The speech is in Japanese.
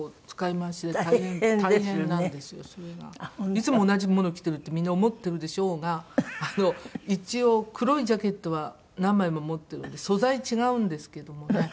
いつも同じものを着てるってみんな思ってるでしょうが一応黒いジャケットは何枚も持ってるんで素材違うんですけどもね。